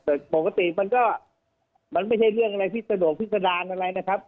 แต่ปกติมันก็มันไม่ใช่เรื่องอะไรที่สะดวกพิษดารอะไรนะครับ